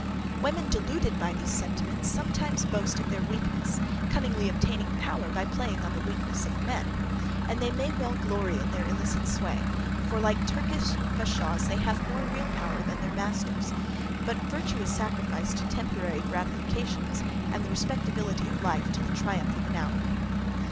Women deluded by these sentiments, sometimes boast of their weakness, cunningly obtaining power by playing on the WEAKNESS of men; and they may well glory in their illicit sway, for, like Turkish bashaws, they have more real power than their masters: but virtue is sacrificed to temporary gratifications, and the respectability of life to the triumph of an hour.